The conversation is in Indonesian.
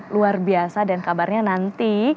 luar biasa dan kabarnya nanti